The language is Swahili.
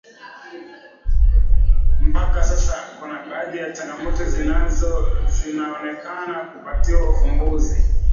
Mpaka sasa kuna baadhi ya changamoto zinaonekana kupatiwa ufumbuzi